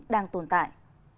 đang tồn tại